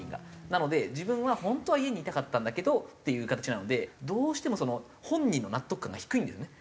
なので「自分は本当は家にいたかったんだけど」っていう形なのでどうしても本人の納得感が低いんですね。